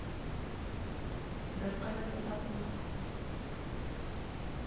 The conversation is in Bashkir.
Бер ҡайҙан да тапманыҡ.